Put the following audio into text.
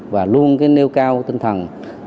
và luôn nêu cao tinh thần